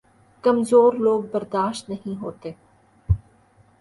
کمزور لوگ برداشت نہیں ہوتے